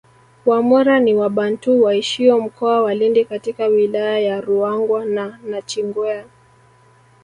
Wamwera ni wabantu waishio mkoa wa Lindi katika wilaya ya Ruangwa na nachingwea